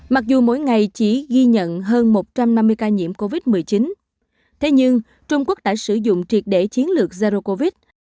mặc dù mỗi ngày chỉ ghi nhận hơn một trăm năm mươi ca nhiễm covid một mươi chín thế nhưng trung quốc đã sử dụng triệt để chiến lược zarocox